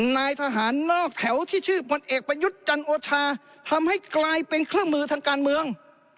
นายทหารนอกแถวที่ชื่อพลเอกประยุทธ์จันโอชาทำให้กลายเป็นเครื่องมือทางการเมือง